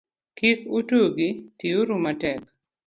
Kik utugi, ti uru matek.